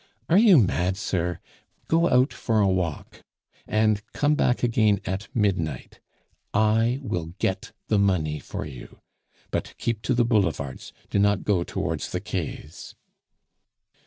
"Are you mad, sir? Go out for a walk, and come back again at midnight. I will get the money for you; but keep to the Boulevards, do not go towards the Quais."